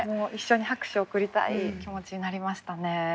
一緒に拍手を送りたい気持ちになりましたね。